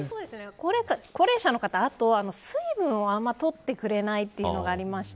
高齢者の方は水分をあんまり取ってくれないというのがあります。